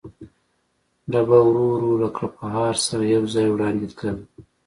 ډبه ورو ورو له کړپهار سره یو ځای وړاندې تلل.